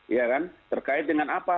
ya kan terkait dengan apa